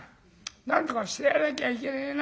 なんとかしてやらなきゃいけねえなあ。